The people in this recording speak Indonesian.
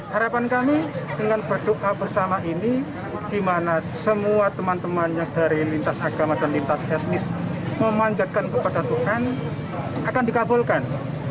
harapan kami dengan berdoa bersama ini di mana semua teman temannya dari lintas agama dan lintas etnis memanjatkan kepada tuhan akan dikabulkan